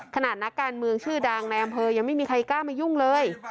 นักการเมืองชื่อดังในอำเภอยังไม่มีใครกล้ามายุ่งเลย